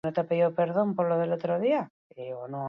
Adibidez, gustatuko litzaiguke flamenkoarekin nahastea.